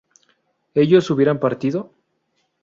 ¿ellos hubieron partido?